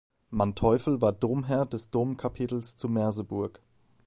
Manteuffel war Domherr des Domkapitels zu Merseburg.